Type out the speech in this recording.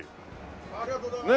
ありがとうございます。